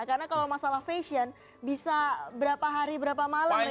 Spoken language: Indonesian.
karena kalau masalah fashion bisa berapa hari berapa malam ya